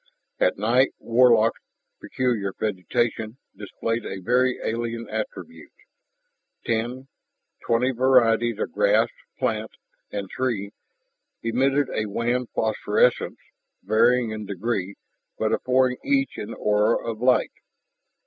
At night Warlock's peculiar vegetation displayed a very alien attribute ten ... twenty varieties of grass, plant, and tree emitted a wan phosphorescence, varying in degree, but affording each an aura of light.